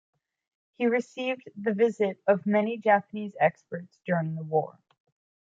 He received the visit of many Japanese experts during the war.